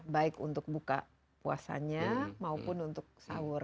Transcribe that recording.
baik untuk buka puasanya maupun untuk sahur